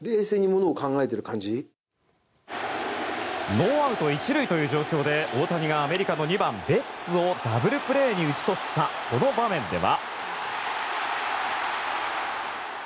ノーアウト１塁という状況で大谷がアメリカの２番ベッツをダブルプレーに打ち取ったこの場面では。